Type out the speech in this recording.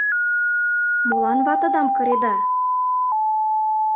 — Молан ватыдам кыреда?